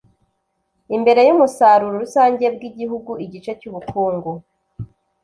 imbere yumusaruro rusange bw igihugu igice cy ubukungu